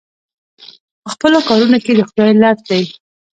په خپلو کارونو کې د خدای لټ دی.